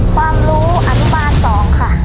ความรู้อนุบาล๒ค่ะ